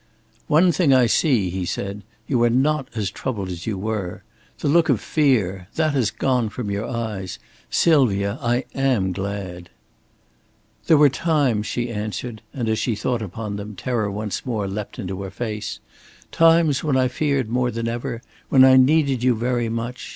"One thing I see," he said. "You are not as troubled as you were. The look of fear that has gone from your eyes. Sylvia, I am glad!" "There, were times," she answered and as she thought upon them, terror once more leapt into her face "times when I feared more than ever, when I needed you very much.